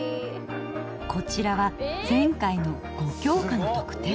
こちらは前回の５教科の得点。